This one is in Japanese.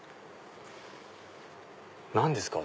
何ですか？